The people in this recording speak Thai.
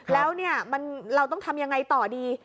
แล้วเราต้องทำยังไงต่อดี